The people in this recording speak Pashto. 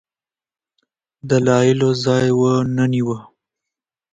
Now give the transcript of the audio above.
دلایلو ځای ونه نیوی.